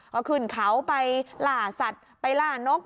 ก็ขึ้นเขาไปล่าสัตว์ไปล่านก